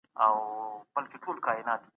بازار د خلګو له خوا فعال کېږي.